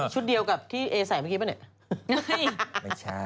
ชุดเดียวกับที่เอ๋ใส่เมื่อกี้เปล่าเนี่ยไม่ใช่